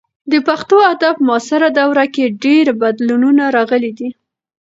د پښتو ادب په معاصره دوره کې ډېر بدلونونه راغلي دي.